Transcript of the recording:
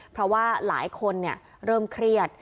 เพราะว่าหลายคนเริ่มเครียด